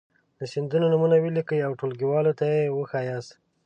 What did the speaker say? د سیندونو نومونه ولیکئ او ټولګیوالو ته یې وښایاست.